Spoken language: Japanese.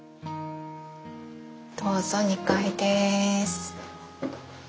どうぞ２階です。